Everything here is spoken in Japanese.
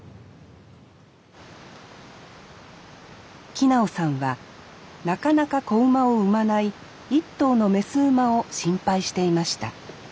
木直さんはなかなか子馬を産まない一頭の雌馬を心配していました